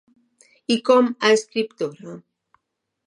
I com a escriptora?